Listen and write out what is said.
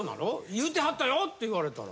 言うてはったよって言われたら。